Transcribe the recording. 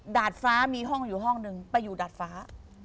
ดาดฟ้ามีห้องอยู่ห้องนึงไปอยู่ดาดฟ้า